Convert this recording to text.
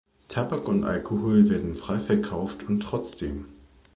Tabak und Alkohol werden frei verkauft und trotzdem!